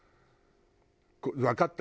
わかった。